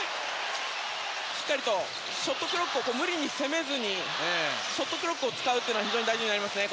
しっかりとショットクロックを無理に攻めずショットクロックを使うというのが非常に大事になりますね。